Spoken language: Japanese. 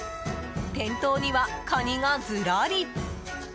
店頭にはカニがずらり！